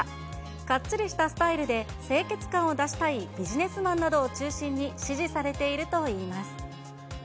かっちりしたスタイルで清潔感を出したいビジネスマンなどを中心に支持されているといいます。